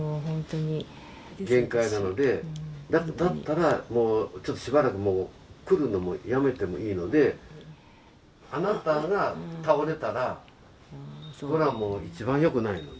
限界なのでだったらもうちょっとしばらくもう来るのもやめてもいいのであなたが倒れたらそりゃもう一番よくないのでね。